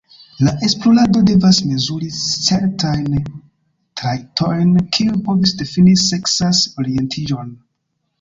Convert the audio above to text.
La esplorado devas mezuri certajn trajtojn kiuj povus difini seksan orientiĝon.